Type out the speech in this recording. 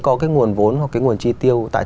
có cái nguồn vốn hoặc cái nguồn chi tiêu tại